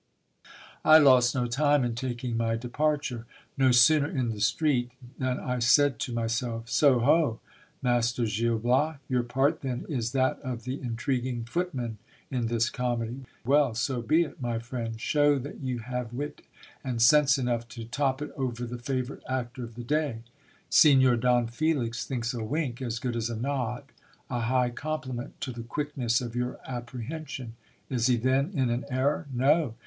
I lost no time in taking my departure ; no sooner in the street than I said to myself — So ho ! Master Gil Bias, your part then is that of the intriguing foot man in this comedy. Well ! so be it, my friend ! shew that you have wit and sense enough to top it over the favourite actor of the da)'. Signor Don Felix thinks a wink as good as a nod. A high compliment to the quickness of your apprehension ! Is he then in an error ''. No.